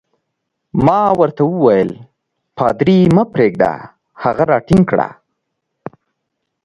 ما ورته وویل: پادري مه پرېږده، هغه راټینګ کړه.